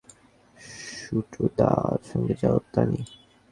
শুটুদার সঙ্গে যাও, তানি।